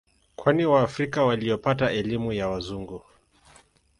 Kwani waafrika waliopata elimu ya Wazungu